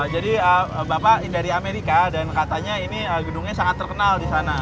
jadi bapak dari amerika dan katanya ini gedungnya sangat terkenal di sana